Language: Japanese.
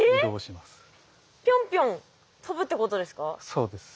そうです。